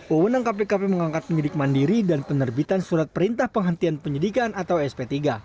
uu nangka pkp mengangkat pendidik mandiri dan penerbitan surat perintah penghentian penyidikan atau sp tiga